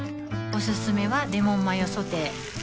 おすすめはレモンマヨソテー